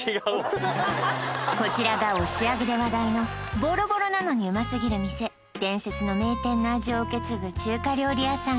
こちらが押上で話題のボロボロなのにうますぎる店伝説の名店の味を受け継ぐ中華料理屋さん